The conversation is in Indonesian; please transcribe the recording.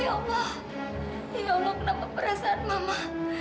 ya allah kenapa perasaan mama